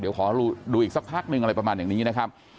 เดี๋ยวขอดูอีกสักพักนึงอะไรประมาณอย่างนี้นะครับ